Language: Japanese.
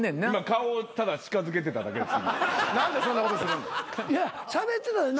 顔を近づけてただけです。